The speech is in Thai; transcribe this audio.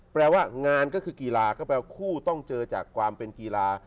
แปลว่างานก็คือกีฬาก็แปลว่าคู่ต้องเจอจากความเป็นกีฬา